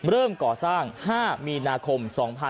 เริ่มก่อสร้าง๕มีนาคม๒๕๖๒